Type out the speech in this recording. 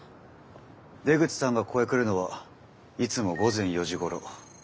出口さんがここへ来るのはいつも午前４時ごろ。